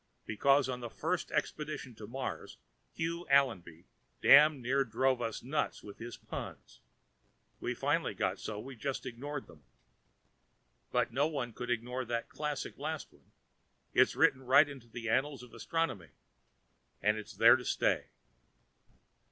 Because on the first expedition to Mars, Hugh Allenby damned near drove us nuts with his puns. We finally got so we just ignored them. But no one can ignore that classic last one it's written right into the annals of astronomy, and it's there to stay.